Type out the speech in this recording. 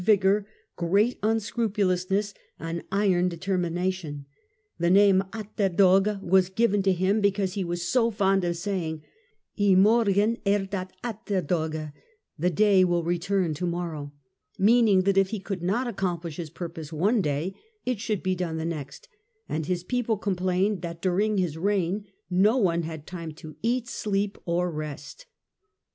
ofDeu great nnscrupulousness and n on determmation. i he mark, name " Atterdag " was given to him because he was so ^ fond of saying :" I Morgen er dat Atterdag "(" the day will return to morrow "), meaning that if he could not ac compHsh his purpose one day it should be done the next ; and his people complained that during his reign no one had time to eat, sleep or rest.